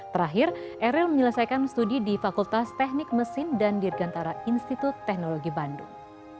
terakhir eril menyelesaikan studi di fakultas teknik mesin dan dirgantara institut teknologi bandung